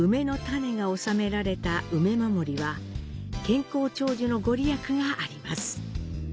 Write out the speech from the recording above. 健康長寿のご利益があります。